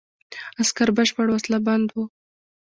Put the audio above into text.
عسکر بشپړ وسله بند وو.